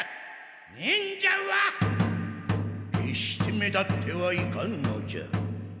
忍者はけっして目立ってはいかんのじゃ。